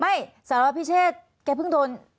ไม่สำหรับพี่เชศแกเพิ่งโดน